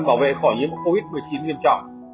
bảo vệ khỏi nhiễm covid một mươi chín nghiêm trọng